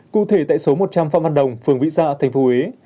cụ thể tại số một trăm linh phong văn đồng phường vĩ dạ thành phố huế